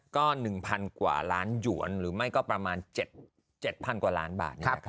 ก็๑๐๐กว่าล้านหยวนหรือไม่ก็ประมาณ๗๐๐กว่าล้านบาท